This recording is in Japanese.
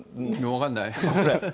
分かんない。